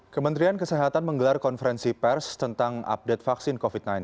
kementerian kesehatan menggelar konferensi pers tentang update vaksin covid sembilan belas